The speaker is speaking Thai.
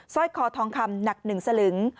ร้อยคอทองคำหนัก๑สลึง